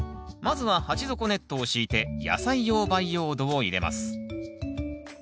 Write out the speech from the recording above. まずは鉢底ネットを敷いて野菜用培養土を入れます。